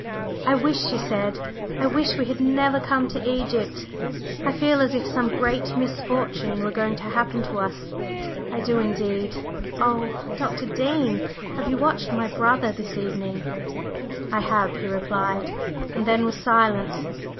"I wish," she said "I wish we had never come to Egypt! I feel as if some great misfortune were going to happen to us; I do, indeed! Oh, Dr. Dean, have you watched my brother this evening?" "I have," he replied, and then was silent.